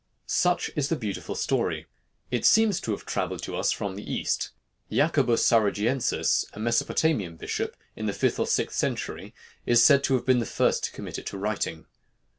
Such is the beautiful story. It seems to have travelled to us from the East. Jacobus Sarugiensis, a Mesopotamian bishop, in the fifth or sixth century, is said to have been the first to commit it to writing.